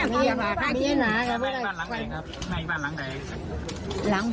เหล่าของรักไหมเอาเขานั่งสองเท่าไรไหมหลายตัวฮะท่านจะกินไหมสองร้อย